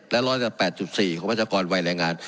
และร้อยละ๘๔ของประชากรวัยแรงงาน